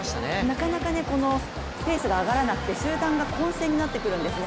なかなかペースが上がらなくて、集団が混戦になってくるんですね。